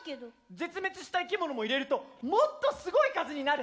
絶滅したいきものも入れるともっとすごい数になる。